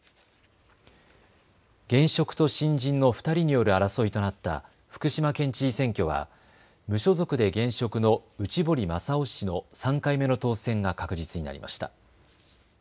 現職と新人の２人による争いとなった福島県知事選挙は無所属で現職の内堀雅雄氏の３回目の当選が確実になりました。